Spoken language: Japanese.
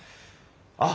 あっ！